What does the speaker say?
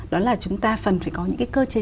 đó là chúng ta cần phải có những cái cơ chế